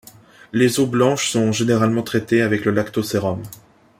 Les eaux blanches sont généralement traitées avec le lactosérum.